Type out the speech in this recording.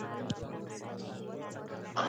څو چې پاروپامیزاد درې درې وي